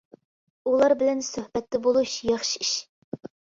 ئۇلار بىلەن سۆھبەتتە بولۇش ياخشى ئىش.